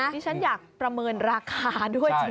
ฉันอยากประเมินราคาด้วยจริง